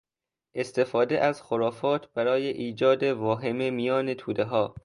استفاده از خرافات برای ایجاد واهمه میان تودهها